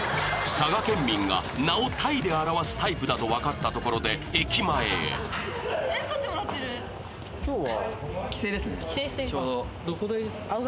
佐賀県民が名を体で表すタイプだと分かったところで駅前へ今日は？